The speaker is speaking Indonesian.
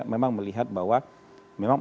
memang melihat bahwa memang